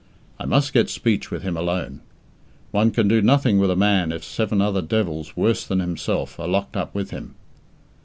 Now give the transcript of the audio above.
I must get speech with him alone. One can do nothing with a man if seven other devils worse than himself are locked up with him.